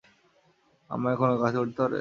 আম্মা, এখনও গাছে উঠতে পারবে?